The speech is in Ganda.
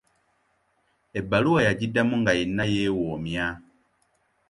Ebbaluwa yagiddamu nga yenna yeewoomya.